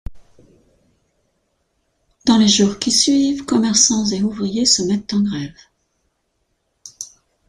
Dans les jours qui suivent, commerçants et ouvriers se mettent en grève.